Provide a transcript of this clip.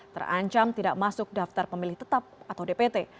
terancam tidak masuk daftar pemilih tetap atau dpt